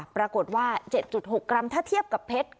ปรากฏว่า๗๖กรัมถ้าเทียบกับเพชร